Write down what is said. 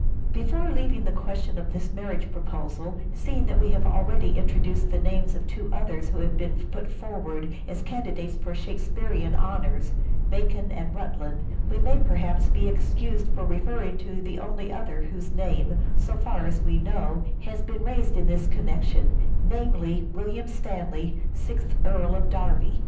Before leaving the question of this marriage proposal, seeing that we have already introduced the names of two others who have been put forward as candidates for Shakespearean honours, Bacon and Rutland, we may perhaps be excused for referring to the only other whose name, so far as we know, has been raised in this connection, namely William Stanley, Sixth Earl of Derby.